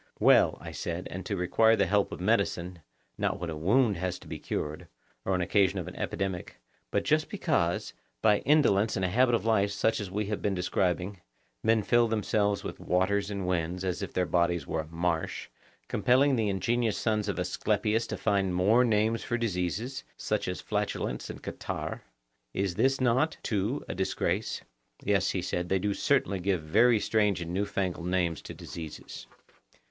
Well, I said, and to require the help of medicine, not when a wound has to be cured, or on occasion of an epidemic, but just because, by indolence and a habit of life such as we have been describing, men fill themselves with waters and winds, as if their bodies were a marsh, compelling the ingenious sons of Asclepius to find more names for diseases, such as flatulence and catarrh; is not this, too, a disgrace? Yes, he said, they do certainly give very strange and newfangled names to diseases.